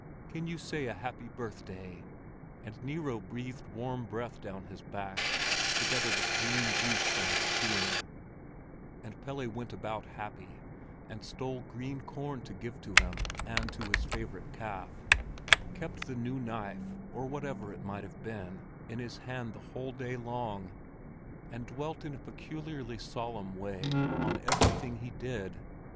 "Can you say 'A happy birthday'?" And Nero breathed warm breath down his back, together with green juice from his chewing; and Pelle went about happy, and stole green corn to give to him and to his favorite calf, kept the new knife—or whatever it might have been—in his hand the whole day long, and dwelt in a peculiarly solemn way upon everything he did.